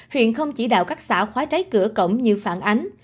huyện không chỉ đạo các xã khóa cháy cửa cổng như phản ánh